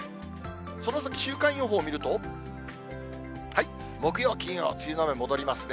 その先、週間予報見ると、木曜、金曜、梅雨の雨、戻りますね。